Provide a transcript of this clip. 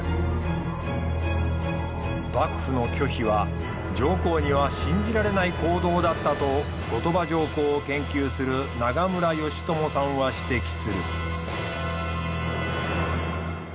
幕府の拒否は上皇には信じられない行動だったと後鳥羽上皇を研究する長村祥知さんは指摘する。